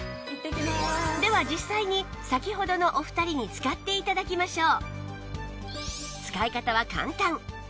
では実際に先ほどのお二人に使って頂きましょう